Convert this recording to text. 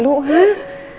terima kasih orbitw hurry